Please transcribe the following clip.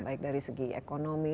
baik dari segi ekonomi